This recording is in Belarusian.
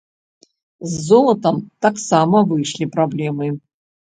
З золатам таксама выйшлі праблемы.